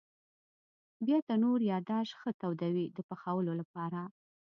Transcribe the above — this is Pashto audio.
بیا تنور یا داش ښه تودوي د پخولو لپاره.